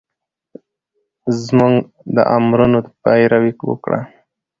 زمونږ د امرونو پېروي وکړه